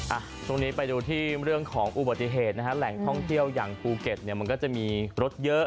ตรงนี้ไปดูที่เรื่องของอุบัติเหตุนะฮะแหล่งท่องเที่ยวอย่างภูเก็ตเนี่ยมันก็จะมีรถเยอะ